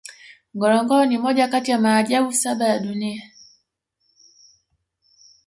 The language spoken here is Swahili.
ngorongoro ni moja kati ya maajabu saba ya dunia